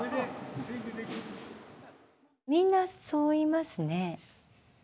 みんなそう言いますね。